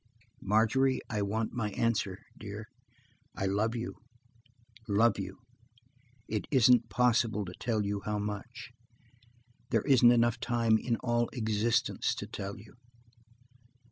"Margery, I want my answer, dear. I love you–love you; it isn't possible to tell you how much. There isn't enough time in all existence to tell you.